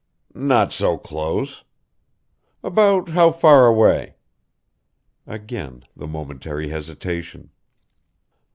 "Not so close." "About how far away?" Again the momentary hesitation.